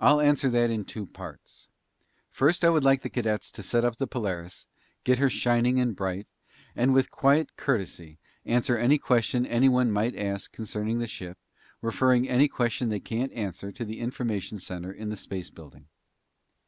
"I'll answer that in two parts. First, I would like the cadets to set up the Polaris, get her shining and bright, and with quiet courtesy, answer any question anyone might ask concerning the ship, referring any question they can't answer to the information center in the Space Building."